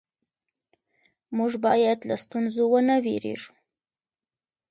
موږ باید له ستونزو ونه وېرېږو